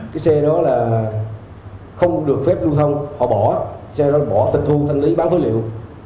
cái xe đó là không được phép lưu thông họ bỏ xe đó bỏ tịch thu thanh lý bán phế liệu